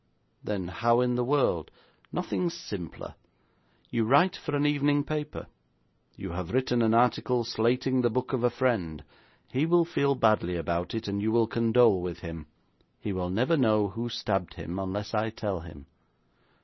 'Then how in the world ' 'Nothing simpler. You write for an evening paper. You have written an article slating the book of a friend. He will feel badly about it, and you will condole with him. He will never know who stabbed him unless I tell him.'